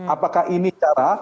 apakah ini cara